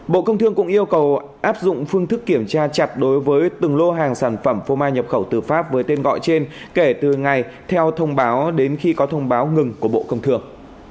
bộ công thương cũng yêu cầu áp dụng phương thức kiểm tra chặt đối với từng lô hàng sản phẩm phô mai nhập khẩu từ pháp với tên gọi trên kể từ ngày theo thông báo đến khi có thông báo ngừng của bộ công thường